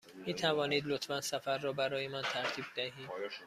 می توانید لطفاً سفر را برای من ترتیب دهید؟